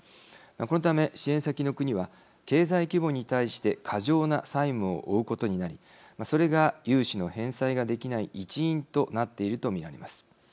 このため支援先の国は、経済規模に対して過剰な債務を負うことになりそれが融資の返済ができない一因となっていると見られます。